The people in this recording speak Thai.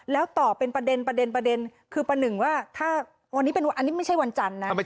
แล้วต่อเป็นประเด็นคือประหนึ่งว่าอันนี้ไม่ใช่วันจันทร์นะ